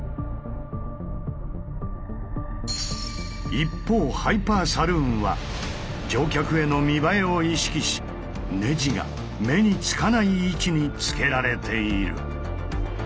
一方ハイパーサルーンは乗客への見栄えを意識しネジが目につかない位置に付けられている。